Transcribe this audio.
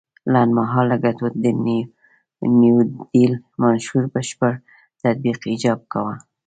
لنډ مهاله ګټو د نیوډیل منشور بشپړ تطبیق ایجاب کاوه.